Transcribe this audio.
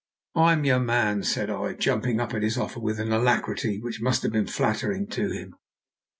"I'm your man," said I, jumping at his offer with an alacrity which must have been flattering to him.